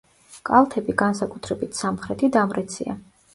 კალთები, განსაკუთრებით სამხრეთი, დამრეცია.